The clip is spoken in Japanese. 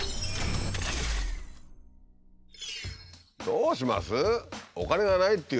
どうします？